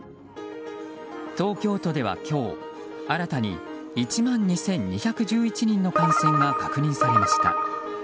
東京都では今日新たに１万２２１１人の感染が確認されました。